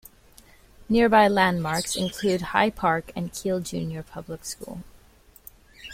Nearby landmarks include High Park and Keele Junior Public School.